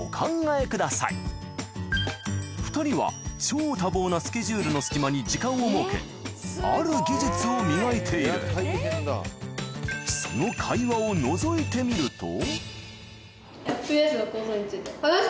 ２人は超多忙なスケジュールの隙間に時間を設けある技術を磨いている話して行きたいと思います。